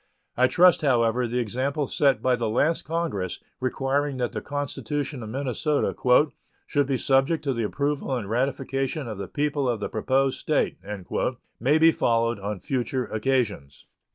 I trust, however, the example set by the last Congress, requiring that the constitution of Minnesota "should be subject to the approval and ratification of the people of the proposed State," may be followed on future occasions.